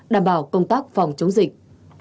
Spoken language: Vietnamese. đảm bảo công tác phòng chống dịch